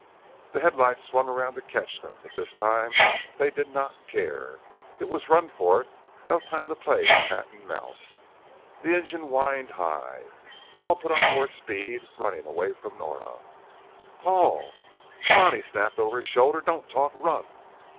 The headlights swung around to catch them, but this time they did not care. It was run for it; no time to play cat and mouse. The engine whined high, Paul put on more speed, running away from Nora. "Paul " "Come on," he snapped over his shoulder. "Don't talk run!"